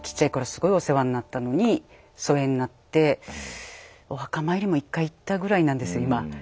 すごいお世話になったのに疎遠になってお墓参りも一回行ったぐらいなんですよ今。